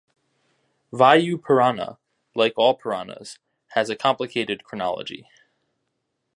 Vayu Purana, like all Puranas, has a complicated chronology.